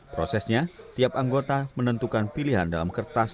prosesnya tiap anggota menentukan pilihan dalam kertas